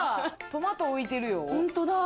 トマト、浮いてるよ。